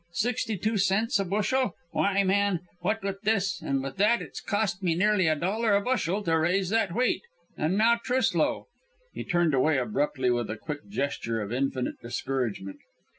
Sixty two cents a bushel! Why, man, what with this and with that it's cost me nearly a dollar a bushel to raise that wheat, and now Truslow " He turned away abruptly with a quick gesture of infinite discouragement.